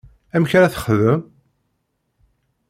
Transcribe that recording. Amek ara texdem?